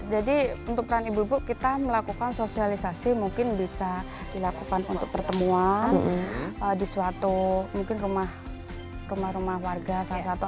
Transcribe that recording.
jadi untuk peran ibu ibu kita melakukan sosialisasi mungkin bisa dilakukan untuk pertemuan di suatu mungkin rumah rumah warga salah satu